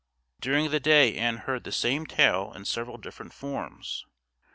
During the day Ann heard the same tale in several different forms.